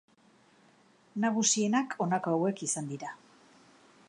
Nagusienak honako hauek izan dira.